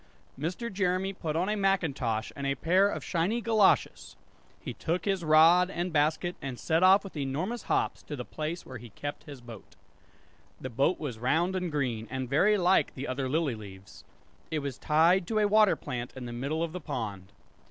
Mr. Jeremy put on a macintosh, and a pair of shiny goloshes; he took his rod and basket, and set off with enormous hops to the place where he kept his boat. The boat was round and green, and very like the other lily leaves. It was tied to a water plant in the middle of the pond.